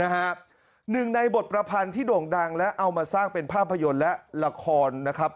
หนึ่งในบทประพันธ์ที่โด่งดังและเอามาสร้างเป็นภาพยนตร์และละครนะครับ